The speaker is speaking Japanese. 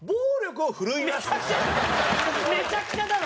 めちゃくちゃだろ！